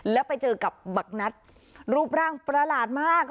แล้วไปเจอกับบักนัดรูปร่างประหลาดมาก